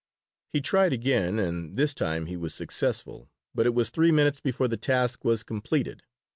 He tried again, and this time he was successful, but it was three minutes before the task was completed.